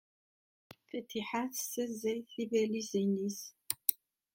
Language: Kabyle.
Fatiḥa tessaẓay tibalizin-nnes.